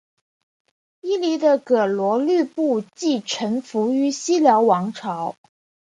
伊犁的葛逻禄部即臣服于西辽王朝。